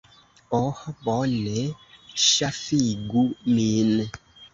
Oh bone! Ŝafigu min.